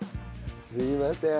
すいません。